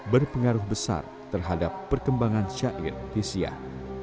berpengaruh besar terhadap perkembangan syair di syiah